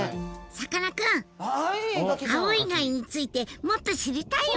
さかなクンアオイガイについてもっと知りたいよね。